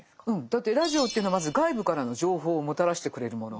だってラジオっていうのはまず外部からの情報をもたらしてくれるもの。